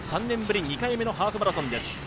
３年ぶり２回目のハーフマラソンです。